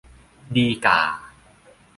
ดีก่า